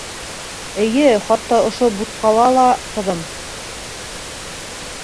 — Эйе, хатта ошо бутҡала ла, ҡыҙым.